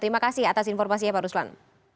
terima kasih atas informasi ya pak ruslan